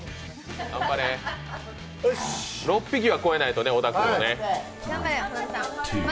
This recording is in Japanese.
６匹は超えないとね、小田君の。